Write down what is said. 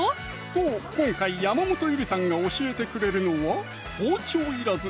そう今回山本ゆりさんが教えてくれるのは包丁いらず！